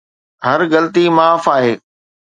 هر غلطي معاف آهي